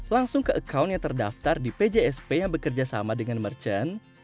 langsung ke account yang terdaftar di pjsp yang bekerja sama dengan merchant